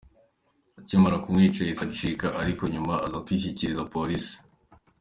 Akimara kumwica yahise acika, ariko nyuma aza kwishyikirika Polisi.